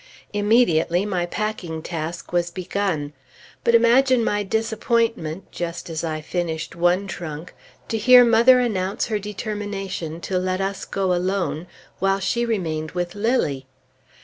Immediately my packing task was begun. But imagine my disappointment, just as I had finished one trunk, to hear mother announce her determination to let us go alone, while she remained with Lilly!